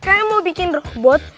kayaknya mau bikin robot